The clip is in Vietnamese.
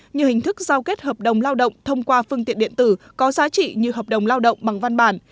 như hình thức giao kết hợp đồng lao động thông qua phương tiện điện tử có giá trị như hợp đồng lao động bằng văn bản